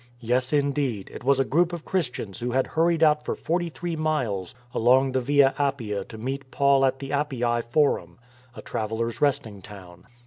Yes, indeed, it was a group of Christians who had hurried out for forty three miles along the Via Appia to meet Paul at the Appii Forum — a travellers' resting town.